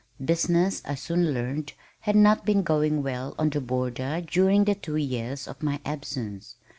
Business, I soon learned, had not been going well on the border during the two years of my absence.